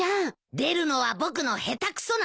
出るのは僕の下手くそな字だよ。